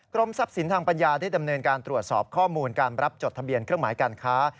กรมทรัพย์สินทางปัญญาได้ดำเนินการตรวจสอบข้อมูลการรับจดทะเบียนเครื่องหมายการค้า